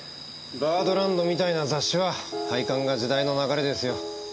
『バードランド』みたいな雑誌は廃刊が時代の流れですよ。